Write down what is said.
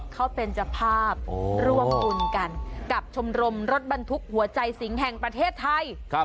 เขาเป็นเจ้าภาพร่วมบุญกันกับชมรมรถบรรทุกหัวใจสิงห์แห่งประเทศไทย